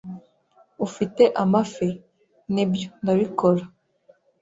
"Ufite amafi?" "Nibyo, ndabikora."